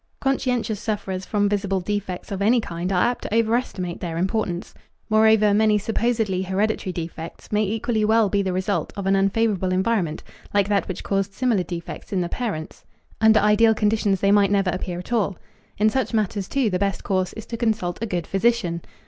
Conscientious sufferers from visible defects of any kind are apt to overestimate their importance. Moreover, many supposedly hereditary defects may equally well be the result of an unfavorable environment like that which caused similar defects in the parents. Under ideal conditions they might never appear at all. In such matters, too, the best course is to consult a good physician.